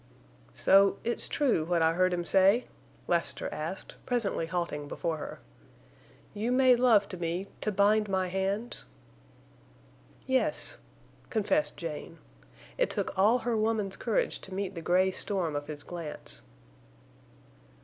"So—it's true—what I heard him say?" Lassiter asked, presently halting before her. "You made love to me—to bind my hands?" "Yes," confessed Jane. It took all her woman's courage to meet the gray storm of his glance.